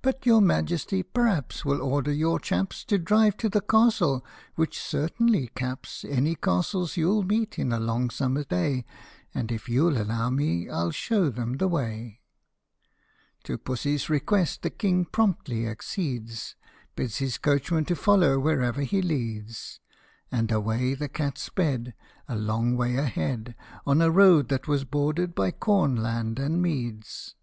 But your Majesty, p'rhaps, Will order your chaps To drive to the castle, which certainly caps Any castles you'll meet in a long summer day; And, if you '11 allow me, 1 11 show them the way." To Pussy's request the King promptly accedes, Bids his coachman to follow wherever he leads, And away the cat sped A long way ahead On a road that was bordered by corn land and meads.